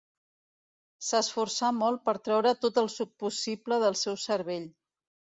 S'esforçà molt per treure tot el suc possible del seu cervell.